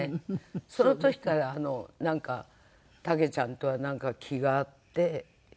その時からタケちゃんとはなんか気が合って。